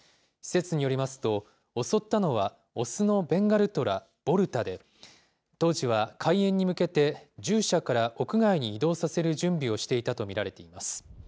施設によりますと、襲ったのは雄のベンガルトラ、ボルタで、当時は開園に向けて、獣舎から屋外に移動させる準備をしていたと見られています。